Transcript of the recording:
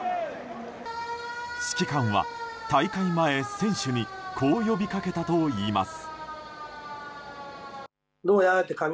指揮官は大会前、選手にこう呼びかけたといいます。